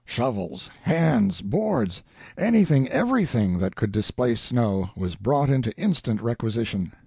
Shovels, hands, boards anything, everything that could displace snow, was brought into instant requisition.